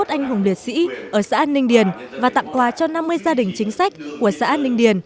một trăm bốn mươi một anh hùng địa sĩ ở xã ninh điền và tặng quà cho năm mươi gia đình chính sách của xã ninh điền